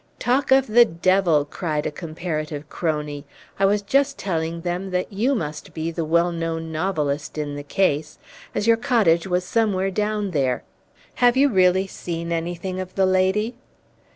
"Talk of the devil!" cried a comparative crony. "I was just telling them that you must be the 'well known novelist' in the case, as your cottage was somewhere down there. Have you really seen anything of the lady?"